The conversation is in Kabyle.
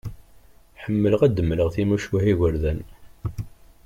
Ḥemmleɣ ad d-mleɣ timucuha i yigerdan.